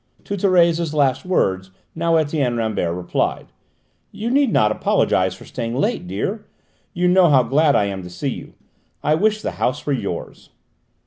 To Thérèse's last words now Etienne Rambert replied: "You need not apologise for staying late, dear; you know how glad I am to see you. I wish the house were yours."